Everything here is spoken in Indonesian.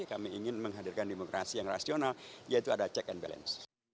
kami ingin menghadirkan demokrasi yang rasional yaitu ada check and balance